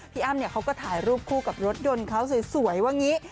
พี่อ้ำเนี่ยเขาก็ถ่ายรูปครู่กับรถดนคือฝึกแขวนสวยว่างี้